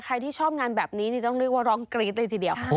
ใครที่ชอบงานแบบนี้ต้องเรียกว่าร้องกรี๊ดเลยทีเดียว